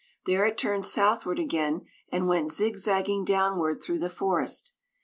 There it turned southward again and went zigzagging downward through the forest.